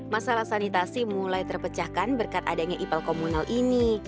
masalah sanitasi mulai terpecahkan berkat adanya ipal komunal ini